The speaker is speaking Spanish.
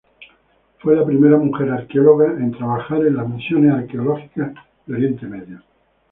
Fue la primera mujer arqueóloga en trabajar en la Misiones Arqueológicas de Oriente Medio.